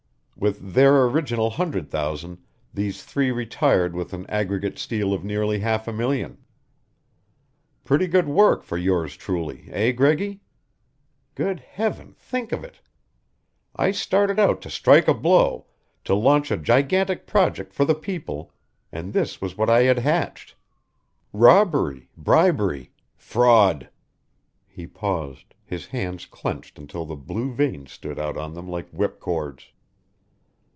With their original hundred thousand these three retired with an aggregate steal of nearly half a million. Pretty good work for yours truly, eh, Greggy! Good Heaven, think of it! I started out to strike a blow, to launch a gigantic project for the people, and this was what I had hatched! Robbery, bribery, fraud " He paused, his hands clenched until the blue veins stood out on them like whipcords.